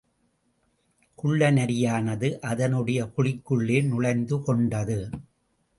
குள்ள நரியானது அதனுடைய குழிக்குள்ளே நுழைந்து கொண்டது.